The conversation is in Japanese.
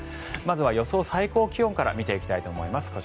まずは予想最高気温から見ていきたいと思います。